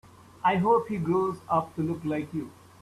I hope he grows up to look like you.